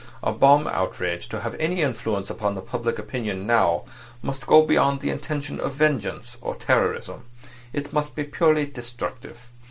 A bomb outrage to have any influence on public opinion now must go beyond the intention of vengeance or terrorism. It must be purely destructive.